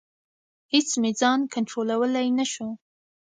اېڅ مې ځان کنټرولولی نشو.